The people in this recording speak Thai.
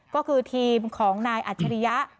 ก็คือทีมของนายอัจฉริยะ